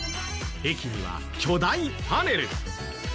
駅には巨大パネル。